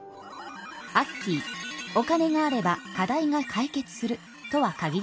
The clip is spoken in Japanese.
アッキーお金があれば課題が解決するとは限りません。